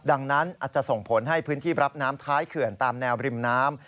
ดังนั้นอาจจะส่งผลให้พื้นที่รับน้ำท้ายเขื่อนตามแนวริมน้ำ